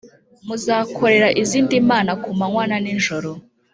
muzakorera izindi mana ku manywa na nijoro